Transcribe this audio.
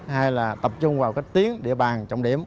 hay là tập trung vào cách tiến địa bàn trọng điểm